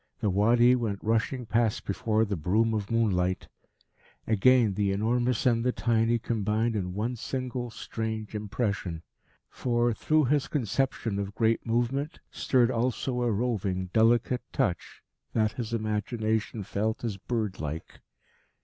The Wadi went rushing past before the broom of moonlight. Again, the enormous and the tiny combined in one single strange impression. For, through this conception of great movement, stirred also a roving, delicate touch that his imagination felt as bird like.